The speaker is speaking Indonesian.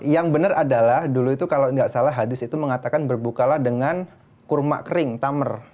yang bener adalah dulu itu kalau gak salah hadis itu mengatakan berbuka lah dengan kurma kering tamer